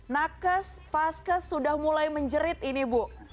nakes vaskes sudah mulai menjerit ini bu